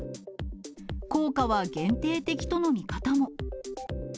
効果は限定的との見方も。